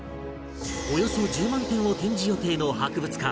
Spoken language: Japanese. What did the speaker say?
およそ１０万点を展示予定の博物館